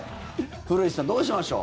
古市さんどうしましょう。